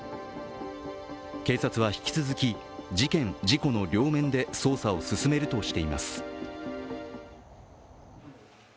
警察は引き続き、事件・事故の両面で捜査を進めるとしています。